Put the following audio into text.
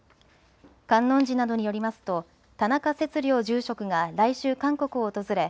観音寺などによりますと田中節竜住職が来週、韓国を訪れ